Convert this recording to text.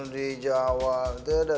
di jawa ada lima